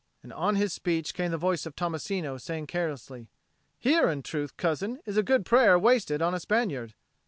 And on his speech came the voice of Tommasino, saying carelessly, "Here, in truth, cousin, is a good prayer wasted on a Spaniard!"